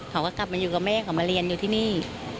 เขาก็กลับมาอยู่กับแม่เขามาเรียนอยู่ที่นี่